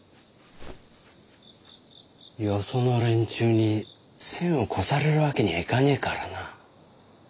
よその連中に先を越される訳にはいかねえからな。